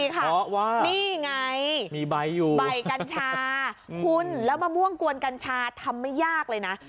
เพราะว่านี่ไงมีใบอยู่ใบกัญชาคุณแล้วมะม่วงกวนกัญชาทำไม่ยากเลยนะ